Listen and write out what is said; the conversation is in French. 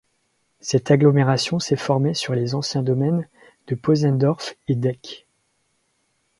Cette agglomération s'est formée sur les anciens domaines de Posendorf et d'Eck.